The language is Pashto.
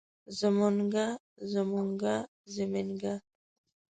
زمونږه زمونګه زمينګه